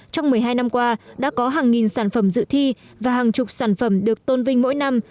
trong một mươi hai năm qua đã có hàng nghìn sản phẩm dự thi và hàng chục sản phẩm được tôn vinh mỗi năm